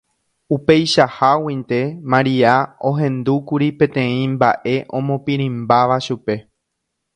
Upeichaháguinte Maria ohendúkuri peteĩ mba'e omopirĩmbáva chupe.